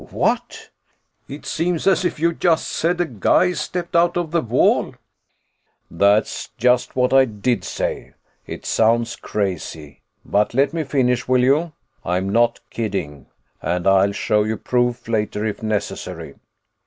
"What? It seems as if you just said a guy stepped out of the wall." "That's just what I did say. It sounds crazy, but let me finish, will you? I'm not kidding, and I'll show you proof later if necessary.